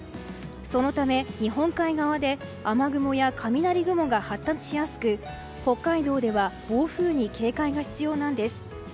そのため、日本海側で雨雲や雷雲が発達しやすく北海道では暴風に警戒が必要なんです。